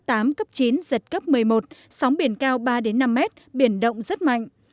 giật cấp chín giật cấp một mươi một sóng biển cao ba năm m biển động rất mạnh